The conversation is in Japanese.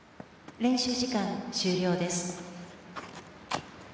「練習時間終了です」